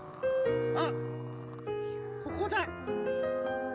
あっここだ。